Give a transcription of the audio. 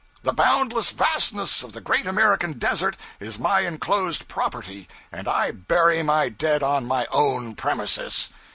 The boundless vastness of the great American desert is my enclosed property, and I bury my dead on my own premises!'